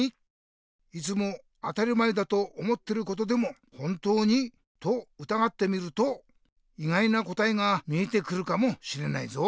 いつも当り前だと思ってることでも「本当に？」とうたがってみるといがいなこたえが見えてくるかもしれないぞ。